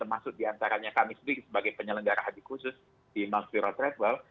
maksud diantaranya kami sendiri sebagai penyelenggara haji khusus di mount spiro treadwell